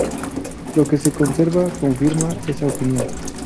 Lo que se conserva confirma esa opinión.